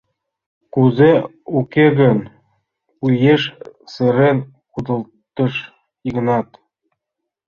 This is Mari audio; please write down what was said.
— Кузе уке гын?! — уэш сырен кудалтыш Йыгнат.